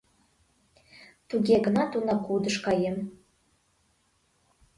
Туге гынат унагудыш каем.